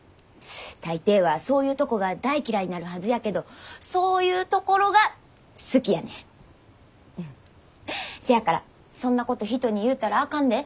大抵はそういうとこが大嫌いになるはずやけどそういうところが好きやねん。せやからそんなこと人に言うたらあかんで。